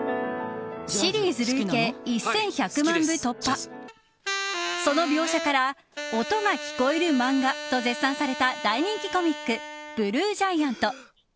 シリーズ累計１１００万部突破その描写から音が聴こえる漫画と絶賛された大人気コミック「ＢＬＵＥＧＩＡＮＴ」。